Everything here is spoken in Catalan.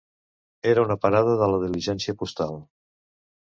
Era una parada de la diligència postal.